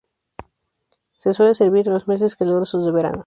Se suele servir en los meses calurosos de verano.